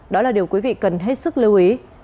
đó là điều quý vị cần hết sức lưu ý